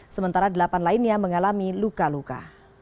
sementara delapan lainnya mengalami luka luka